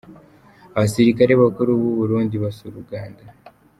Abasirikare bakuru b’u Burundi basura Uganda